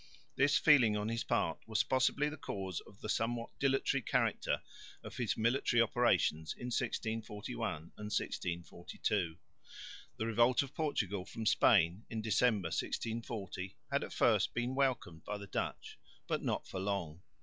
This feeling on his part was possibly the cause of the somewhat dilatory character of his military operations in 1641 and 1642. The revolt of Portugal from Spain in December, 1640, had at first been welcomed by the Dutch, but not for long.